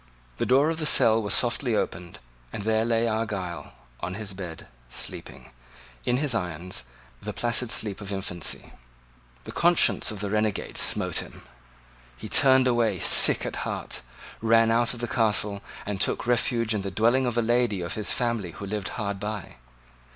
The door of the cell was softly opened; and there lay Argyle, on the bed, sleeping, in his irons, the placid sleep of infancy. The conscience of the renegade smote him. He turned away sick at heart, ran out of the Castle, and took refuge in the dwelling of a lady of his family who lived hard by.